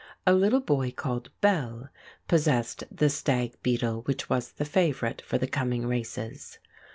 A little boy called Bell possessed the stag beetle which was the favourite for the coming races.